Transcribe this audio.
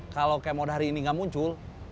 kalau kemod hari ini gak muncul